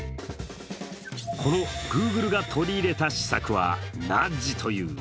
このグーグルが取り入れた施策はナッジという。